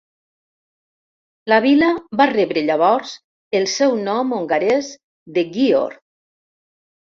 La vila va rebre llavors el seu nom hongarès de Győr.